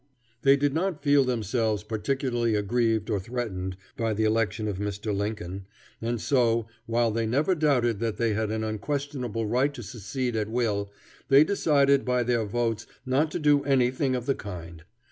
They did not feel themselves particularly aggrieved or threatened by the election of Mr. Lincoln, and so, while they never doubted that they had an unquestionable right to secede at will, they decided by their votes not to do anything of the kind.